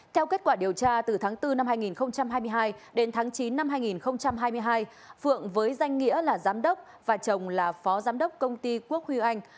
theo kết quả điều tra từ tháng bốn năm hai nghìn hai mươi hai đến tháng chín năm hai nghìn hai mươi hai phượng với danh nghĩa là giám đốc và chồng là phó giám đốc công ty quốc huy anh